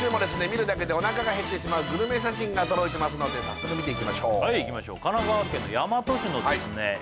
見るだけでお腹が減ってしまうグルメ写真が届いてますので早速見ていきましょうはいいきましょう神奈川県の大和市のですね